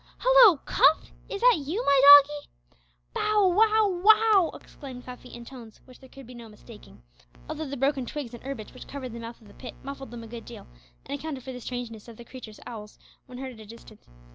"Hallo! Cuff, is that you, my doggie?" "Bow, wow, wow!" exclaimed Cuffy in tones which there could be no mistaking, although the broken twigs and herbage which covered the mouth of the pit muffled them a good deal, and accounted for the strangeness of the creature's howls when heard at a distance.